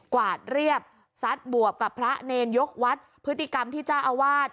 วาดเรียบซัดบวบกับพระเนรยกวัดพฤติกรรมที่เจ้าอาวาส